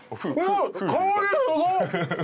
あっ香りすごっ！